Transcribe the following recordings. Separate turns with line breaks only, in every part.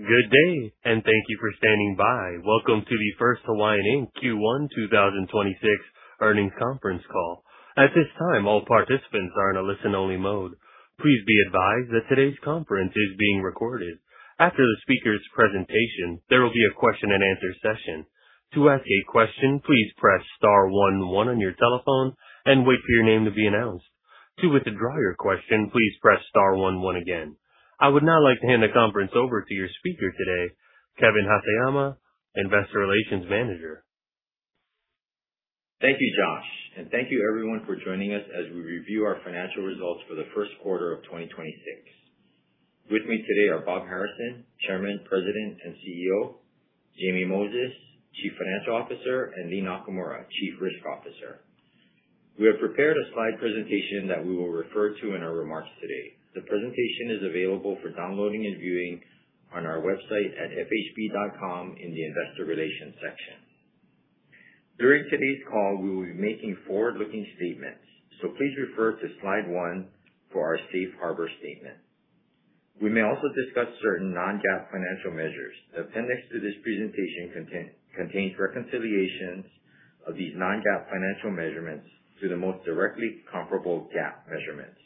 Good day, and thank you for standing by. Welcome to the First Hawaiian, Inc. Q1 2026 earnings conference call. At this time, all participants are in a listen-only mode. Please be advised that today's conference is being recorded. After the speaker's presentation, there will be a question-and-answer session. To ask a question, please press star one one on your telephone and wait for your name to be announced. To withdraw your question, please press star one one again. I would now like to hand the conference over to your speaker today, Kevin Haseyama, Investor Relations Manager.
Thank you, Josh, and thank you everyone for joining us as we review our financial results for the first quarter of 2026. With me today are Robert Harrison, Chairman, President, and CEO, James Moses, Chief Financial Officer, and Lea Nakamura, Chief Risk Officer. We have prepared a slide presentation that we will refer to in our remarks today. The presentation is available for downloading and viewing on our website at fhb.com in the investor relations section. During today's call, we will be making forward-looking statements, so please refer to Slide one for our safe harbor statement. We may also discuss certain non-GAAP financial measures. The appendix to this presentation contains reconciliations of these non-GAAP financial measurements to the most directly comparable GAAP measurements.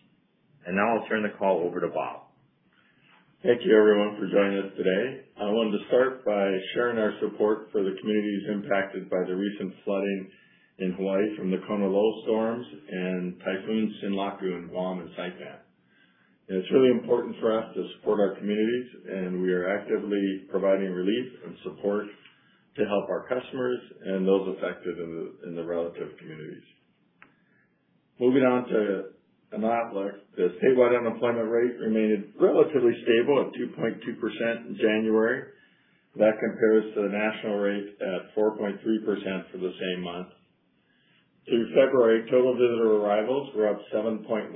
Now I'll turn the call over to Bob.
Thank you everyone for joining us today. I wanted to start by sharing our support for the communities impacted by the recent flooding in Hawaii from the Kona low storms and Typhoon Sinlaku in Guam and Saipan. It's really important for us to support our communities, and we are actively providing relief and support to help our customers and those affected in the relative communities. Moving on to an outlook. The statewide unemployment rate remained relatively stable at 2.2% in January. That compares to the national rate at 4.3% for the same month. Through February, total visitor arrivals were up 7.1%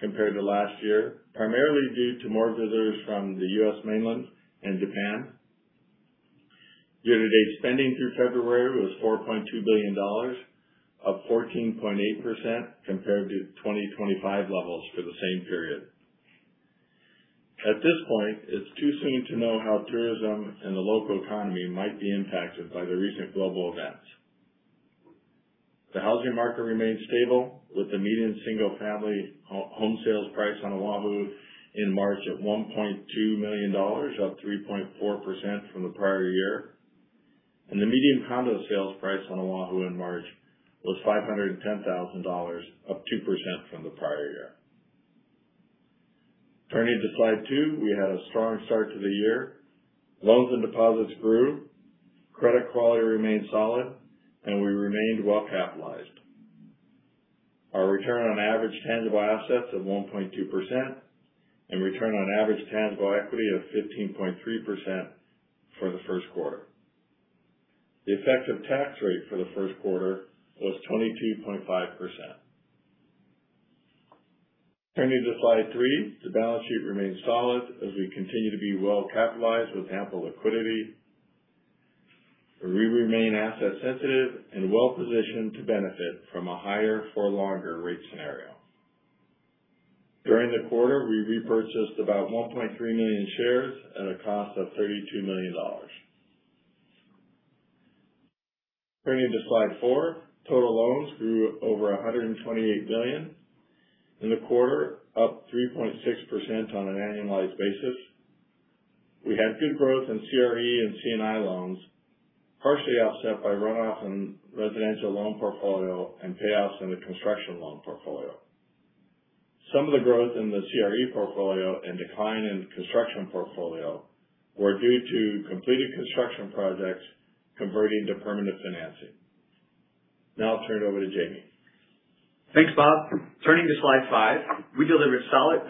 compared to last year, primarily due to more visitors from the U.S. mainland and Japan. Year-to-date spending through February was $4.2 billion, up 14.8% compared to 2025 levels for the same period. At this point, it's too soon to know how tourism and the local economy might be impacted by the recent global events. The housing market remains stable, with the median single-family home sales price on Oahu in March at $1.2 million, up 3.4% from the prior year. The median condo sales price on Oahu in March was $510,000, up 2% from the prior year. Turning to Slide two. We had a strong start to the year. Loans and deposits grew, credit quality remained solid, and we remained well capitalized. Our return on average tangible assets of 1.2% and return on average tangible equity of 15.3% for the first quarter. The effective tax rate for the first quarter was 22.5%. Turning to Slide three. The balance sheet remains solid as we continue to be well capitalized with ample liquidity. We remain asset sensitive and well-positioned to benefit from a higher for-longer rate scenario. During the quarter, we repurchased about 1.3 million shares at a cost of $32 million. Turning to Slide four. Total loans grew over 128 million in the quarter, up 3.6% on an annualized basis. We had good growth in CRE and C&I loans, partially offset by runoff in residential loan portfolio and payoffs in the construction loan portfolio. Some of the growth in the CRE portfolio and decline in construction portfolio were due to completed construction projects converting to permanent financing. Now I'll turn it over to Jamie.
Thanks, Bob. Turning to Slide five. We delivered solid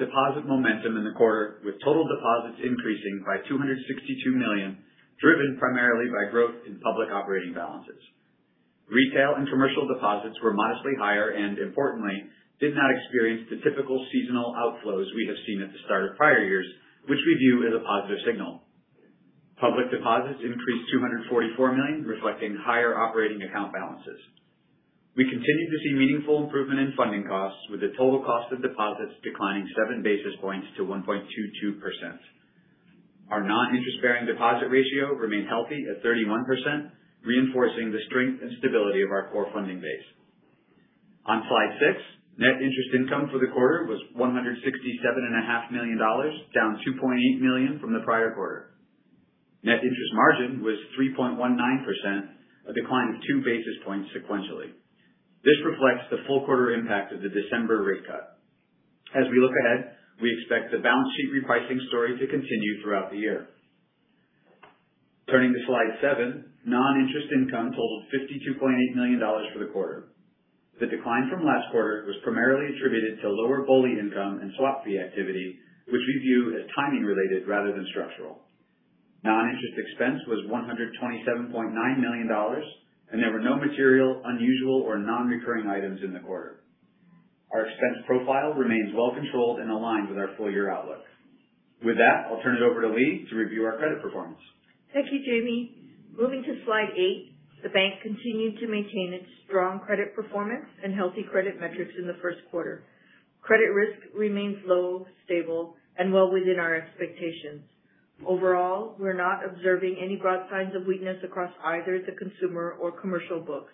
deposit momentum in the quarter, with total deposits increasing by $262 million, driven primarily by growth in public operating balances. Retail and commercial deposits were modestly higher and, importantly, did not experience the typical seasonal outflows we have seen at the start of prior years, which we view as a positive signal. Public deposits increased $244 million, reflecting higher operating account balances. We continue to see meaningful improvement in funding costs, with the total cost of deposits declining 7 basis points to 1.22%. Our non-interest-bearing deposit ratio remained healthy at 31%, reinforcing the strength and stability of our core funding base. On Slide six, net interest income for the quarter was $167 and a half million, down $2.8 million from the prior quarter. Net interest margin was 3.19%, a decline of 2 basis points sequentially. This reflects the full quarter impact of the December rate cut. As we look ahead, we expect the balance sheet repricing story to continue throughout the year. Turning to Slide seven. Non-interest income totaled $52.8 million for the quarter. The decline from last quarter was primarily attributed to lower BOLI income and swap fee activity, which we view as timing related rather than structural. Non-interest expense was $127.9 million, and there were no material, unusual or non-recurring items in the quarter. Our expense profile remains well controlled and aligned with our full-year outlook. With that, I'll turn it over to Lea to review our credit performance.
Thank you, Jamie. Moving to Slide eight, the bank continued to maintain its strong credit performance and healthy credit metrics in the first quarter. Credit risk remains low, stable, and well within our expectations. Overall, we're not observing any broad signs of weakness across either the consumer or commercial books.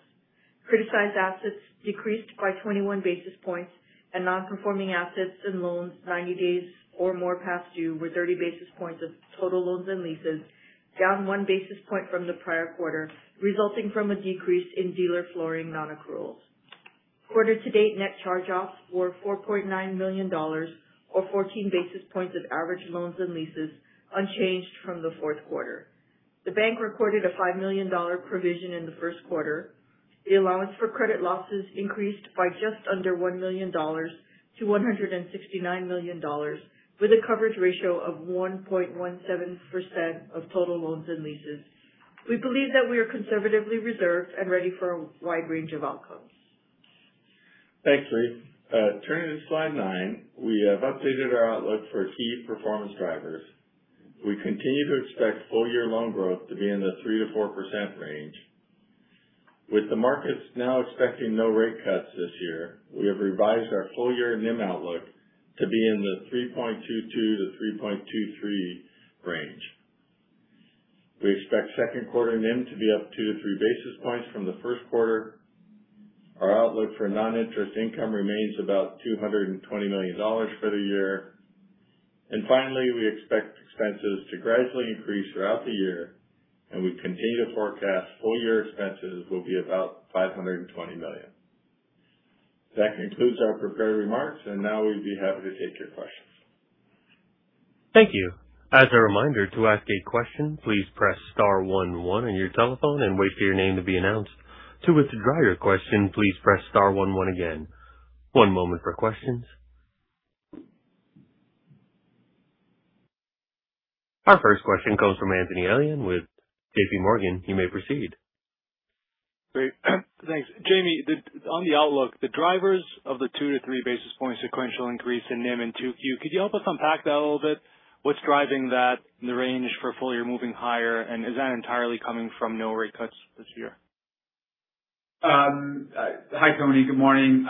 Criticized assets decreased by 21 basis points, and non-performing assets and loans 90 days or more past due were 30 basis points of total loans and leases, down one basis point from the prior quarter, resulting from a decrease in dealer flooring non-accruals. Quarter to date net charge-offs were $4.9 million, or 14 basis points of average loans and leases, unchanged from the fourth quarter. The bank recorded a $5 million provision in the first quarter. The allowance for credit losses increased by just under $1 million to $169 million, with a coverage ratio of 1.17% of total loans and leases. We believe that we are conservatively reserved and ready for a wide range of outcomes.
Thanks, Lea. Turning to Slide nine, we have updated our outlook for key performance drivers. We continue to expect full-year loan growth to be in the 3%-4% range. With the markets now expecting no rate cuts this year, we have revised our full-year NIM outlook to be in the 3.22%-3.23% range. We expect second quarter NIM to be up two to three basis points from the first quarter. Our outlook for non-interest income remains about $220 million for the year. Finally, we expect expenses to gradually increase throughout the year, and we continue to forecast full-year expenses will be about $520 million. That concludes our prepared remarks, and now we'd be happy to take your questions.
Thank you. As a reminder, to ask a question, please press star one one on your telephone and wait for your name to be announced. To withdraw your question, please press star one one again. One moment for questions. Our first question comes from Anthony Elian with JPMorgan. You may proceed.
Great. Thanks. Jamie, on the outlook, the drivers of the two to three basis points sequential increase in NIM in 2Q, could you help us unpack that a little bit? What's driving that in the range for full-year moving higher, and is that entirely coming from no rate cuts this year?
Hi, Tony. Good morning.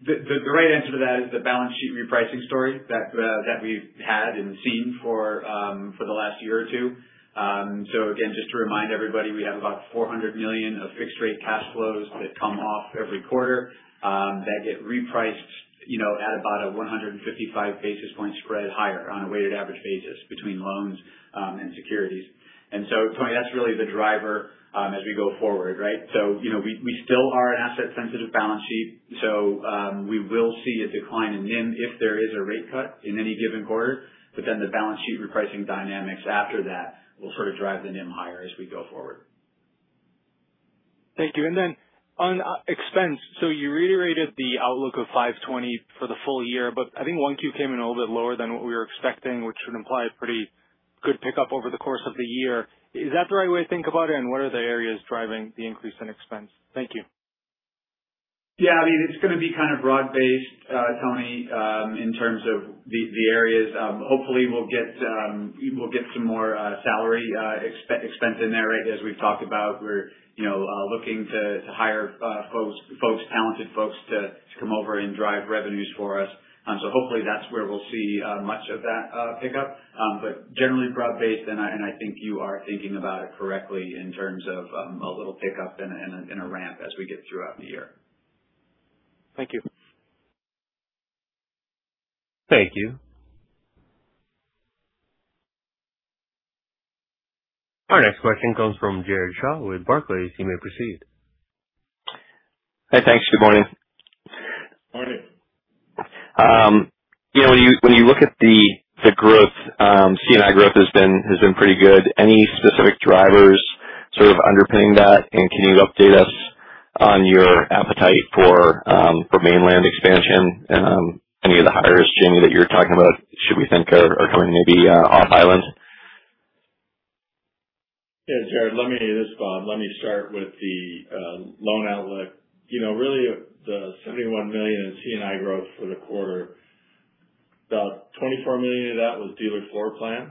The right answer to that is the balance sheet repricing story that we've had and seen for the last year or two. Again, just to remind everybody, we have about $400 million of fixed rate cash flows that come off every quarter, that get repriced at about a 155 basis point spread higher on a weighted average basis between loans and securities. Tony, that's really the driver as we go forward, right? We still are an asset sensitive balance sheet. We will see a decline in NIM if there is a rate cut in any given quarter. The balance sheet repricing dynamics after that will sort of drive the NIM higher as we go forward.
Thank you. On expense, so you reiterated the outlook of $520 for the full-year, but I think 1Q came in a little bit lower than what we were expecting, which would imply a pretty good pickup over the course of the year. Is that the right way to think about it, and what are the areas driving the increase in expense? Thank you.
Yeah. It's going to be kind of broad-based, Tony, in terms of the areas. Hopefully we'll get some more salary expense in there. As we've talked about, we're looking to hire talented folks to come over and drive revenues for us. So hopefully that's where we'll see much of that pickup. Generally broad-based, and I think you are thinking about it correctly in terms of a little pickup and a ramp as we get throughout the year.
Thank you.
Thank you. Our next question comes from Jared Shaw with Barclays. You may proceed.
Hey, thanks. Good morning.
Morning.
When you look at the growth, C&I growth has been pretty good. Any specific drivers sort of underpinning that, and can you update us on your appetite for mainland expansion and any of the hires, Jamie, that you're talking about, should we think are coming maybe off island?
Yeah, Jared, let me start with the loan outlook. Really, the $71 million in C&I growth for the quarter. About $24 million of that was dealer floor plan,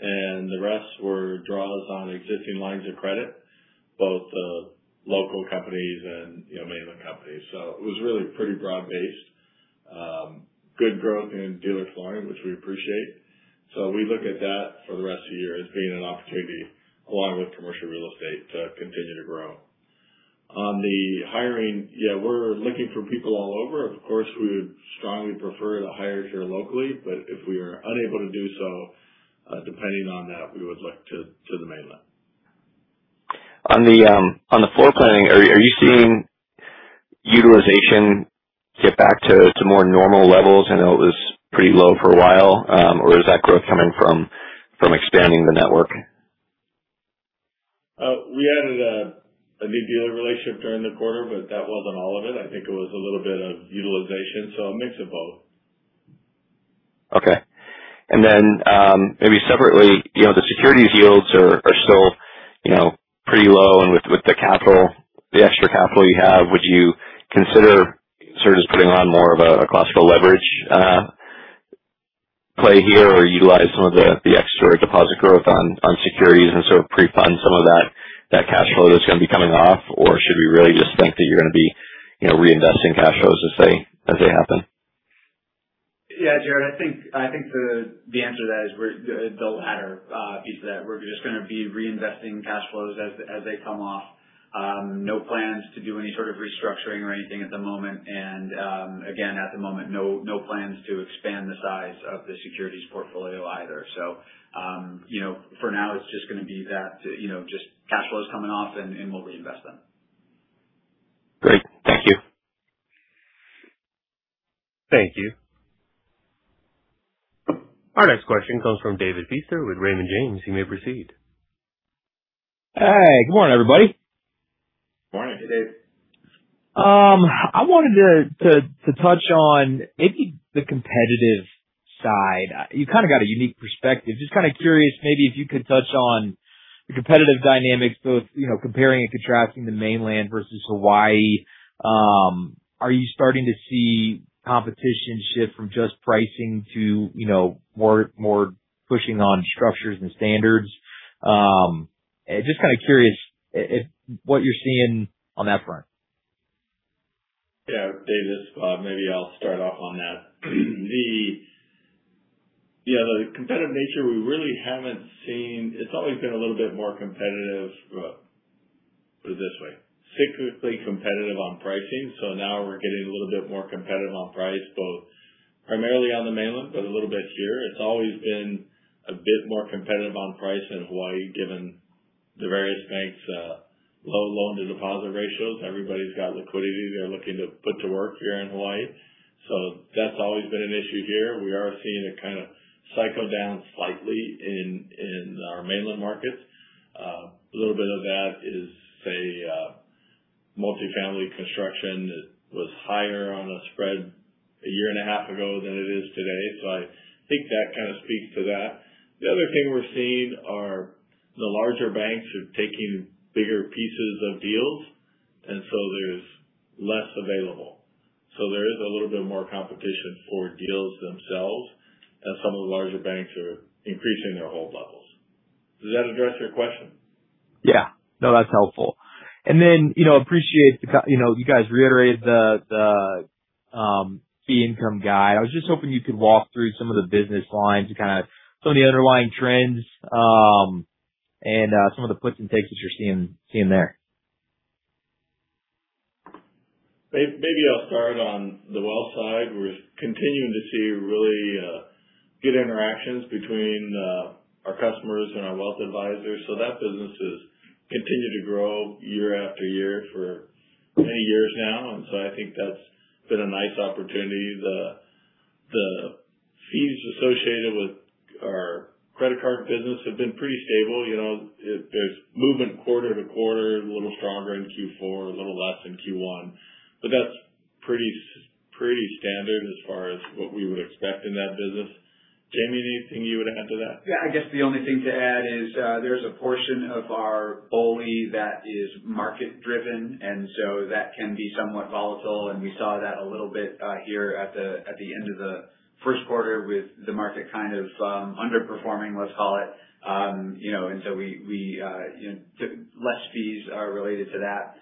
and the rest were draws on existing lines of credit, both local companies and mainland companies. It was really pretty broad-based. Good growth in dealer flooring, which we appreciate. We look at that for the rest of the year as being an opportunity along with commercial real estate to continue to grow. On the hiring, yeah, we're looking for people all over. Of course, we would strongly prefer to hire here locally, but if we are unable to do so, depending on that, we would look to the mainland.
On the floor planning, are you seeing utilization get back to more normal levels? I know it was pretty low for a while. Or is that growth coming from expanding the network?
We added a new dealer relationship during the quarter, but that wasn't all of it. I think it was a little bit of utilization. A mix of both.
Okay. Maybe separately, the securities yields are still pretty low and with the extra capital you have, would you consider sort of just putting on more of a cost of leverage? play here or utilize some of the extra deposit growth on securities and sort of pre-fund some of that cash flow that's going to be coming off? Or should we really just think that you're going to be reinvesting cash flows as they happen?
Yeah, Jared, I think the answer to that is the latter piece of that. We're just going to be reinvesting cash flows as they come off. No plans to do any sort of restructuring or anything at the moment. Again, at the moment, no plans to expand the size of the securities portfolio either. For now, it's just going to be that. Just cash flows coming off and we'll reinvest them.
Great. Thank you.
Thank you. Our next question comes from David Feaster with Raymond James. You may proceed.
Hey, good morning, everybody.
Morning, David.
I wanted to touch on maybe the competitive side. You kind of got a unique perspective. Just kind of curious, maybe if you could touch on the competitive dynamics both comparing and contrasting the mainland versus Hawaii. Are you starting to see competition shift from just pricing to more pushing on structures and standards? Just kind of curious if what you're seeing on that front?
Yeah. David, maybe I'll start off on that. Yeah, the competitive nature, it's always been a little bit more competitive. Put it this way, cyclically competitive on pricing. Now we're getting a little bit more competitive on price, both primarily on the mainland, but a little bit here. It's always been a bit more competitive on price in Hawaii, given the various banks' low loan-to-deposit ratios. Everybody's got liquidity they're looking to put to work here in Hawaii. That's always been an issue here. We are seeing it kind of cycle down slightly in our mainland markets. A little bit of that is, say, multifamily construction was higher on a spread a year and a half ago than it is today. I think that kind of speaks to that. The other thing we're seeing are the larger banks are taking bigger pieces of deals, and so there's less available. There is a little bit more competition for deals themselves as some of the larger banks are increasing their hold levels. Does that address your question?
Yeah. No, that's helpful. Appreciate you guys reiterated the fee income guide. I was just hoping you could walk through some of the business lines, kind of some of the underlying trends, and some of the puts and takes that you're seeing there.
Maybe I'll start on the wealth side. We're continuing to see really good interactions between our customers and our wealth advisors. That business has continued to grow year-after-year for many years now, and so I think that's been a nice opportunity. The fees associated with our credit card business have been pretty stable. There's movement quarter to quarter, a little stronger in Q4, a little less in Q1, but that's pretty standard as far as what we would expect in that business. Jamie, anything you would add to that?
Yeah, I guess the only thing to add is there's a portion of our BOLI that is market driven, and so that can be somewhat volatile, and we saw that a little bit here at the end of the first quarter with the market kind of underperforming, let's call it. We took less fees related to that.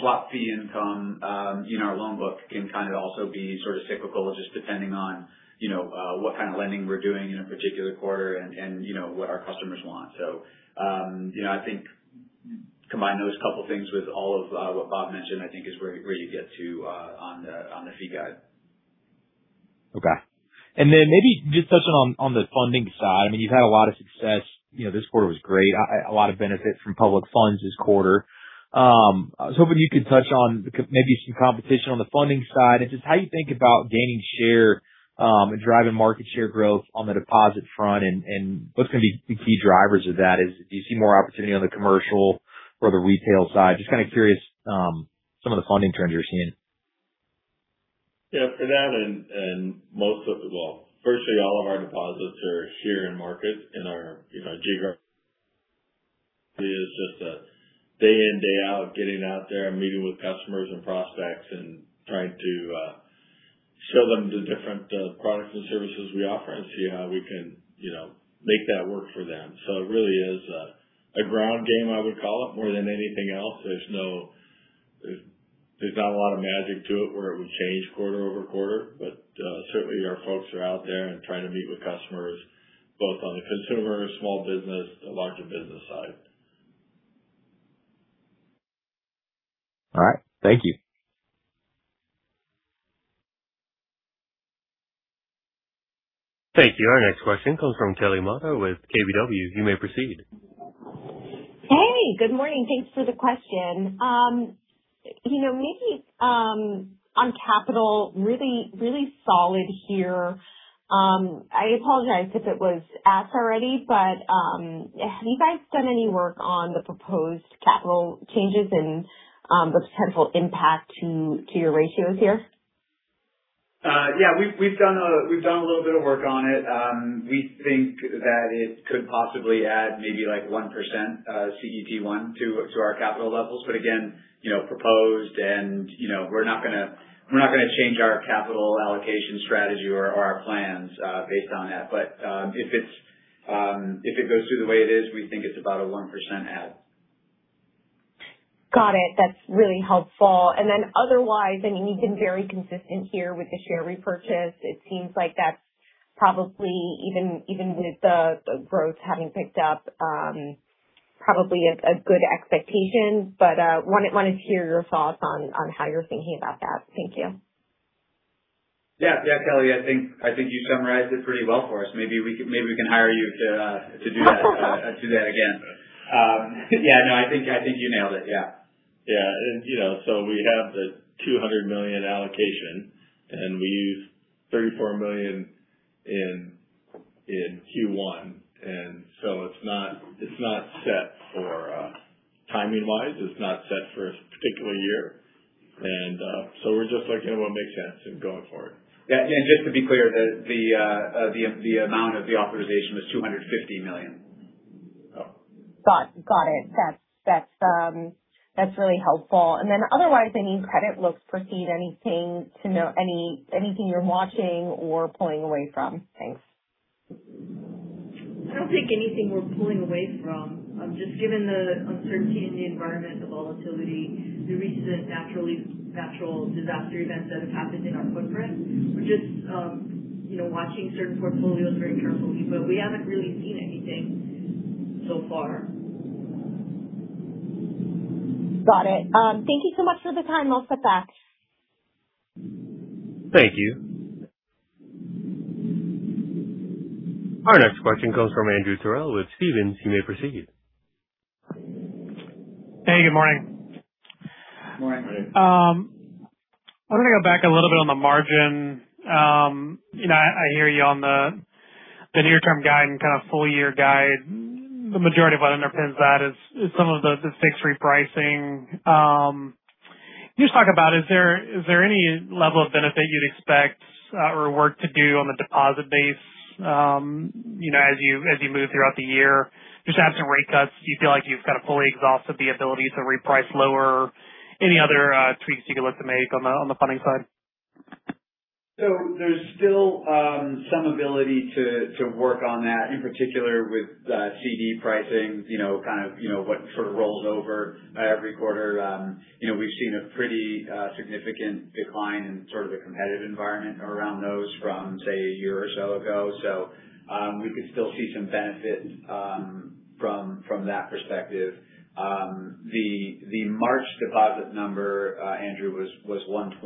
Swap fee income in our loan book can kind of also be sort of cyclical just depending on what kind of lending we're doing in a particular quarter and what our customers want. I think combine those couple things with all of what Bob mentioned, I think is where you get to on the fee guide.
Okay. Maybe just touching on the funding side, you've had a lot of success. This quarter was great. A lot of benefit from public funds this quarter. I was hoping you could touch on maybe some competition on the funding side and just how you think about gaining share, and driving market share growth on the deposit front, and what's going to be the key drivers of that. Do you see more opportunity on the commercial or the retail side? Just kind of curious some of the funding trends you're seeing?
Yeah, for that and most of it, well, firstly, all of our deposits are here in market in our geography, it's just a day in, day out, getting out there and meeting with customers and prospects and trying to sell them the different products and services we offer and see how we can make that work for them. It really is a ground game, I would call it, more than anything else. There's not a lot of magic to it where it would change quarter-over-quarter. Certainly our folks are out there and trying to meet with customers both on the consumer, small business, the larger business side.
All right. Thank you.
Thank you. Our next question comes from Kelly Motta with KBW. You may proceed.
Hey, good morning. Thanks for the question. Maybe on capital, really solid here. I apologize if it was asked already, but have you guys done any work on the proposed capital changes and the potential impact to your ratios here?
Yeah, we've done a little bit of work on it. We think that it could possibly add maybe 1% CET1 to our capital levels. Again, it's proposed, and we're not going to change our capital allocation strategy or our plans based on that. If it goes through the way it is, we think it's about a 1% add.
Got it. That's really helpful. Otherwise, I mean, you've been very consistent here with the share repurchase. It seems like that's probably, even with the growth having picked up, probably a good expectation. Wanted to hear your thoughts on how you're thinking about that. Thank you.
Yeah. Yeah, Kelly, I think you summarized it pretty well for us. Maybe we can hire you to do that again. Yeah. No, I think you nailed it. Yeah.
Yeah. We have the $200 million allocation, and we used $34 million in Q1, and timing-wise, it's not set for a particular year. We're just looking at what makes sense going forward.
Yeah. Just to be clear, the amount of the authorization was $250 million.
Oh. Got it. That's really helpful. Otherwise, any credit loss provisions, anything, you know, anything you're watching or pulling away from? Thanks.
I don't think anything we're pulling away from. Just given the uncertainty in the environment, the volatility, the recent natural disaster events that have happened in our footprint. We're just watching certain portfolios very carefully, but we haven't really seen anything so far.
Got it. Thank you so much for the time. I'll step back.
Thank you. Our next question comes from Andrew Terrell with Stephens. You may proceed.
Hey, good morning.
Morning.
Morning.
I want to go back a little bit on the margin. I hear you on the near-term guide and kind of full-year guide. The majority of what underpins that is some of the fixed-rate pricing. Can you just talk about it? Is there any level of benefit you'd expect or work to do on the deposit base as you move throughout the year? Just to have some rate cuts, do you feel like you've kind of fully exhausted the ability to reprice lower? Any other tweaks you can look to make on the funding side?
There's still some ability to work on that, in particular with CD pricing, kind of what sort of rolls over every quarter. We've seen a pretty significant decline in sort of the competitive environment around those from, say, a year or so ago. We could still see some benefit from that perspective. The March deposit number, Andrew, was 1.20%,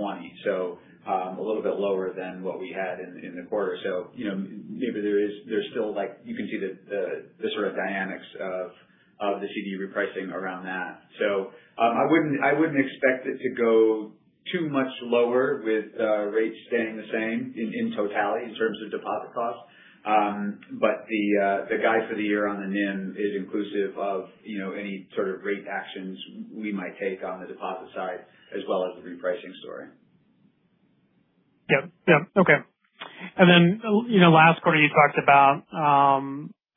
so a little bit lower than what we had in the quarter. Maybe there's still like you can see the sort of dynamics of the CD repricing around that. I wouldn't expect it to go too much lower with rates staying the same in totality in terms of deposit costs. The guide for the year on the NIM is inclusive of any sort of rate actions we might take on the deposit side as well as the repricing story.
Yep. Yep. Okay. Then last quarter you talked about,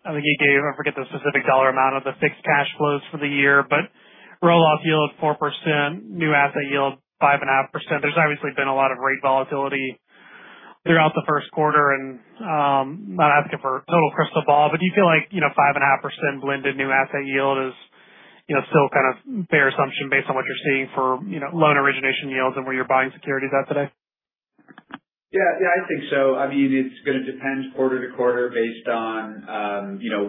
I think you gave, I forget the specific dollar amount of the fixed cash flows for the year, but roll-off yield 4%, new asset yield 5.5%. There's obviously been a lot of rate volatility throughout the first quarter, and I'm not asking for total crystal ball, but do you feel like 5.5% blended new asset yield is still kind of fair assumption based on what you're seeing for loan origination yields and where you're buying securities at today?
Yeah. I think so. I mean, it's going to depend quarter to quarter based on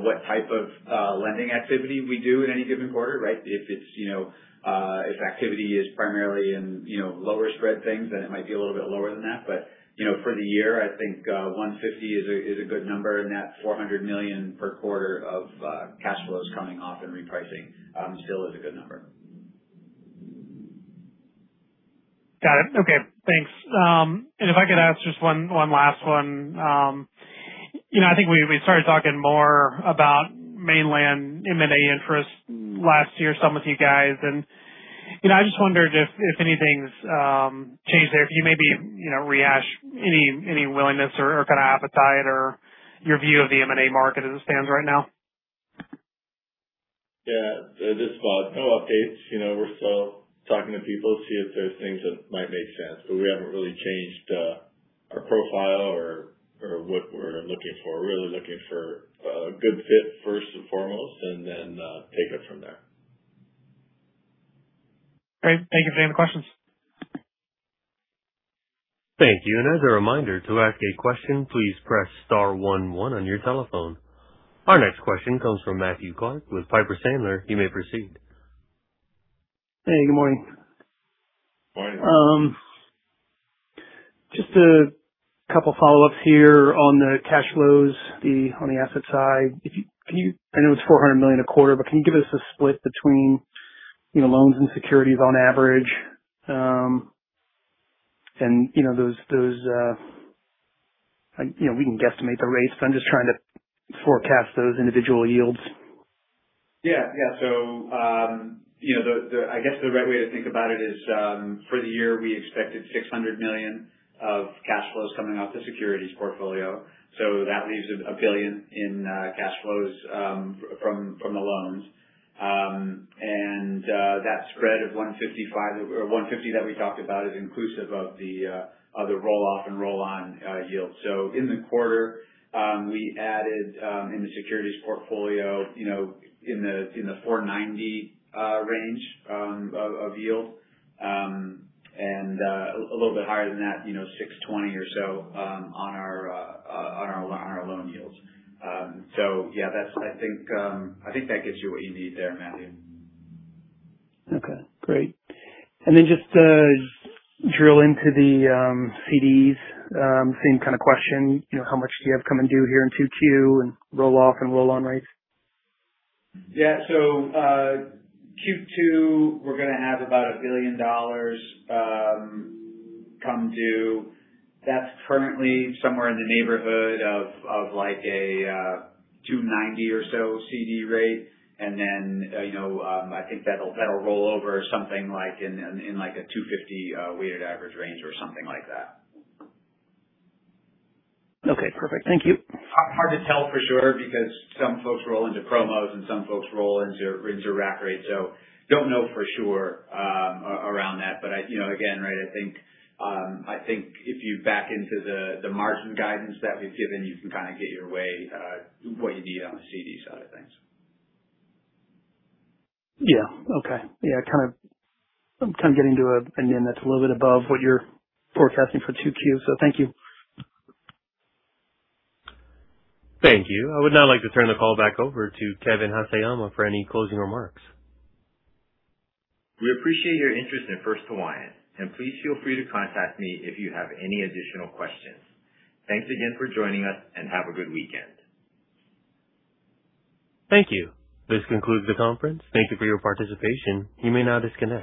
what type of lending activity we do in any given quarter, right? If activity is primarily in lower spread things, then it might be a little bit lower than that. For the year, I think 150 is a good number, and that $400 million per quarter of cash flows coming off and repricing still is a good number.
Got it. Okay. Thanks. If I could ask just one last one. I think we started talking more about Mainland M&A interest last year, some with you guys, and I just wondered if anything's changed there? If you maybe rehash any willingness or kind of appetite or your view of the M&A market as it stands right now?
Yeah. At this spot, no updates. We're still talking to people, see if there's things that might make sense, but we haven't really changed our profile or what we're looking for. We're really looking for a good fit first and foremost, and then take it from there.
Great. Thank you for taking the questions.
Thank you. As a reminder, to ask a question, please press star one one on your telephone. Our next question comes from Matthew Clark with Piper Sandler. You may proceed.
Hey, good morning.
Morning.
Just a couple follow-ups here on the cash flows on the asset side. I know it's $400 million a quarter, but can you give us a split between loans and securities on average? We can guesstimate the rates, but I'm just trying to forecast those individual yields.
Yeah. I guess the right way to think about it is for the year we expected $600 million of cash flows coming off the securities portfolio. That leaves $1 billion in cash flows from the loans. That spread of 150 that we talked about is inclusive of the roll-off and roll-on yield. In the quarter we added in the securities portfolio in the 4.90 range of yield. A little bit higher than that, 6.20 or so on our loan yields. Yeah, I think that gives you what you need there, Matthew.
Okay, great. Just to drill into the CDs. Same kind of question. How much do you have coming due here in 2Q and roll-off and roll-on rates?
Yeah. Q2, we're going to have about $1 billion come due. That's currently somewhere in the neighborhood of like a 290 or so CD rate. I think that'll roll over something like in a 250 weighted average range or something like that.
Okay, perfect. Thank you.
Hard to tell for sure because some folks roll into promos and some folks roll into rack rates. Don't know for sure around that. Again, I think if you back into the margin guidance that we've given, you can kind of get to what you need on the CD side of things.
Yeah. Okay. Yeah, kind of getting to an opinion that's a little bit above what you're forecasting for 2Q, so thank you.
Thank you. I would now like to turn the call back over to Kevin Haseyama for any closing remarks.
We appreciate your interest in First Hawaiian, and please feel free to contact me if you have any additional questions. Thanks again for joining us, and have a good weekend.
Thank you. This concludes the conference. Thank you for your participation. You may now disconnect.